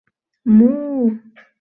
Му-у-у!